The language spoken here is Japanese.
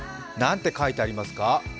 何て書いてありますか？